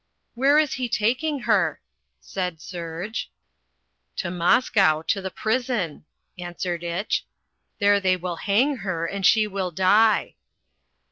"Where is he taking her?" said Serge. "To Moscow, to the prison," answered Itch. "There they will hang her and she will die."